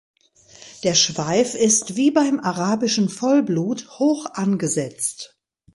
Der Schweif ist wie beim Arabischen Vollblut hoch angesetzt.